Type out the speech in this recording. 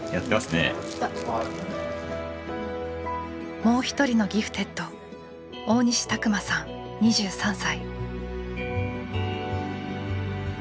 もう一人のギフテッド大西拓磨さん２３歳。